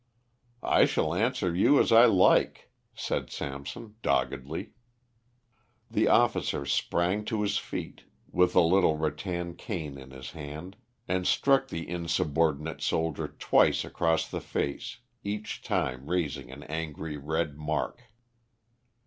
"I shall answer you as I like," said Samson, doggedly. The officer sprang to his feet, with a lithe rattan cane in his hand, and struck the insubordinate soldier twice across the face, each time raising an angry red mark.